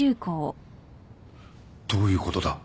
どういうことだ？